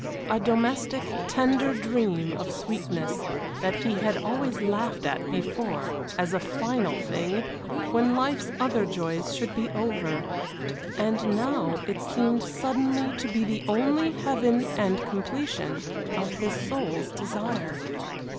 A domestic, tender dream of sweetness that he had always laughed at before as a final thing when life's other joys should be over, and now it seemed suddenly to be the only heaven and completion of his soul's desire.